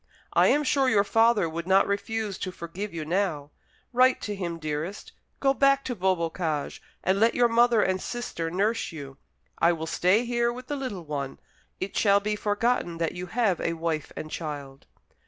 I am sure your father would not refuse to forgive you now. Write to him, dearest. Go back to Beaubocage, and let your mother and sister nurse you. I will stay here with the little one. It shall be forgotten that you have a wife and child."